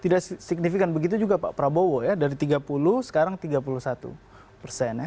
tidak signifikan begitu juga pak prabowo ya dari tiga puluh sekarang tiga puluh satu persen ya